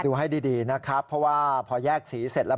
ดูให้ดีนะครับเพราะว่าพอแยกสีเสร็จแล้ว